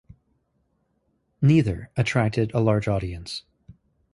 Neither attracted a large audience.